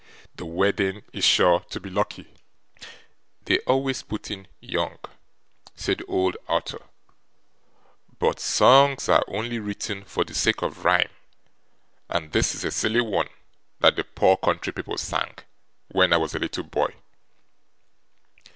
The wedding is sure to be lucky! 'They always put in "young,"' said old Arthur, 'but songs are only written for the sake of rhyme, and this is a silly one that the poor country people sang, when I was a little boy.